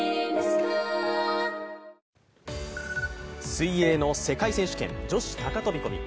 水泳の世界選手権、女子高飛び込み。